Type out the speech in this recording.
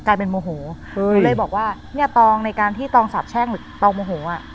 กลายเป็นโมโหเลยบอกว่าเนี่ยตองในการที่ตองสาบแช่งหรือตองโมโหอ่ะ